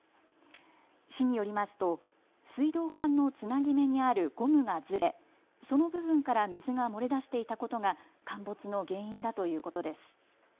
市によりますと水道管のつなぎ目にあるゴムがずれその部分から水が漏れ出していたことが陥没の原因だということです。